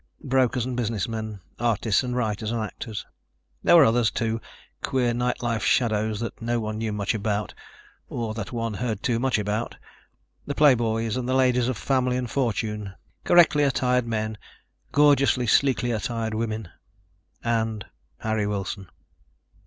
Brokers and businessmen, artists and writers and actors. There were others, too, queer night life shadows that no one knew much about, or that one heard too much about ... the playboys and the ladies of family and fortune, correctly attired men, gorgeously, sleekly attired women. And Harry Wilson.